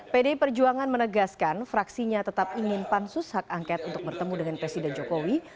pdi perjuangan menegaskan fraksinya tetap ingin pansus hak angket untuk bertemu dengan presiden jokowi